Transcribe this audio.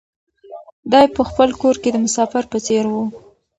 دی په خپل کور کې د مسافر په څېر و.